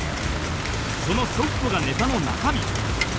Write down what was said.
そのソフトがネタの中身